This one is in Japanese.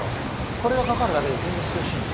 これがかかるだけで全然涼しいんだ。